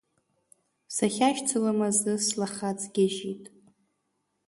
Сахьашьцылам азы слахаҵ гьажьит…